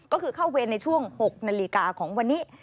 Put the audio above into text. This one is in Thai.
ก็คือเข้าเวรในช่วง๖นาฬิกาของวันนี้